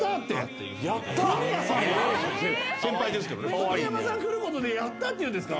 竹山さん来ることで「やったー」って言うんですか。